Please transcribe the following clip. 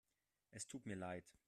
Es tut mir leid.